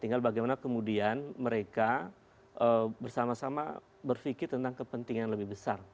tinggal bagaimana kemudian mereka bersama sama berpikir tentang kepentingan lebih besar